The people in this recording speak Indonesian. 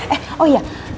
eh oh ya